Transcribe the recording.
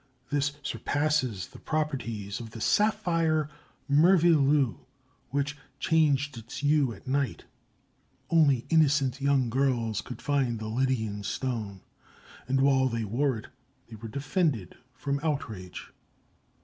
This surpasses the properties of the "saphire merveilleux" which changed its hue at night. Only innocent young girls could find the Lydian stone, and while they wore it they were defended from outrage.